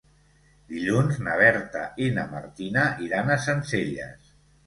Dilluns na Berta i na Martina iran a Sencelles.